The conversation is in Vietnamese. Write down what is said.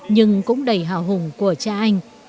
nhưng cũng đầy hào hùng của cha anh